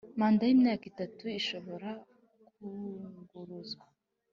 manda y imyaka itatu ishobora kunguruzwa